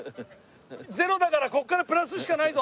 ゼロだからここからプラスしかないぞ。